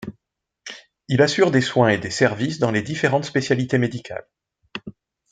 Il assure des soins et des services dans les différentes spécialités médicales.